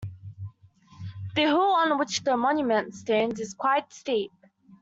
The hill on which the monument stands is quite steep.